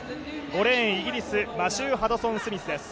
５レーン、イギリスマシュー・ハドソン・スミスです。